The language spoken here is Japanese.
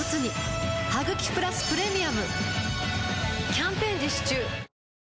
キャンペーン実施中